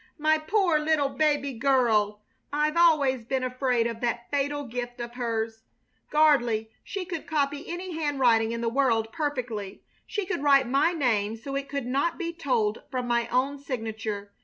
"My poor little baby girl! I've always been afraid of that fatal gift of hers. Gardley, she could copy any handwriting in the world perfectly. She could write my name so it could not be told from my own signature.